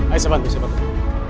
ayo sebentar sebentar